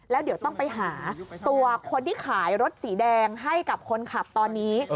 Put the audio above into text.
แล้วเดี๋ยวต้องไปหาตัวคนที่ขายรถสีแดงให้กับคนขับตอนนี้